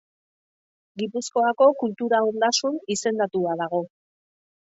Gipuzkoako kultura ondasun izendatua dago.